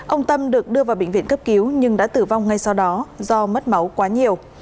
ông tâm được đưa vào bệnh viện cấp cứu nhưng đã tử vong ngay sau đó do mất máu quá nhiều